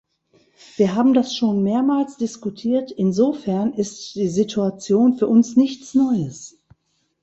Wir haben das schon mehrmals diskutiert, insofern ist die Situation für uns nichts Neues.